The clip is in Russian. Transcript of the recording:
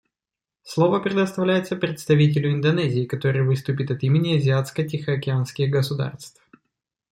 Слово предоставляется представителю Индонезии, который выступит от имени азиатско-тихоокеанских государств.